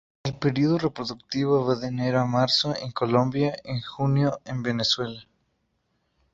El período reproductivo va de enero a marzo en Colombia, en junio en Venezuela.